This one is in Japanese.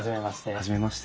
初めまして。